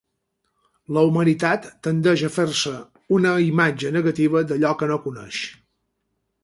La humanitat tendeix a fer-se una imatge negativa d'allò que no coneix.